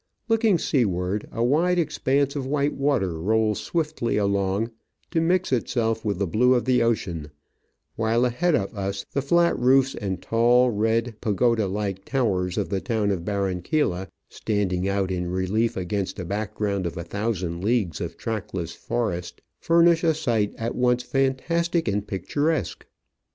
Looking seaward, a wide expanse of white water rolls swiftly Digitized by VjOOQIC 52 Travels and Adventures along to mix itself with the blue of the ocean, while ahead of us the flat roofs and tall, red, pagoda like towers of the town of Barranquilla, standing out in relief acrainst a backorround of a thousand leagues of trackless forest, furnish a sight at once fantastic and picturesque.